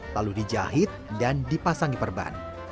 lalu dijahit dan dipasang di perban